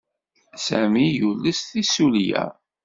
Sami yules tissulya.